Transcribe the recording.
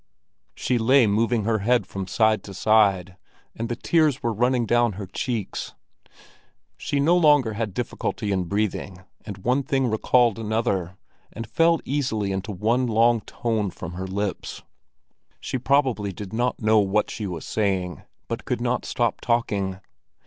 She lay moving her head from side to side, and the tears were running down her cheeks. She no longer had difficulty in breathing, and one thing recalled another, and fell easily in one long tone from her lips. She probably did not now know what she was saying, but could not stop talking.